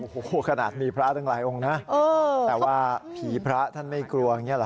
โอ้โหขนาดมีพระตั้งหลายองค์นะแต่ว่าผีพระท่านไม่กลัวอย่างนี้หรอ